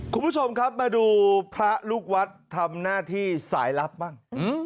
คุณผู้ชมครับมาดูพระลูกวัดทำหน้าที่สายลับบ้าง